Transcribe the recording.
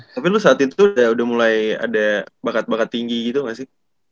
tapi lu saat itu udah mulai ada bakat bakat tinggi gitu gak sih